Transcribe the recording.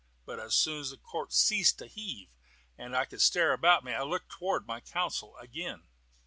But as soon as the court ceased to heave, and I could stare about me, I looked towards my counsel again.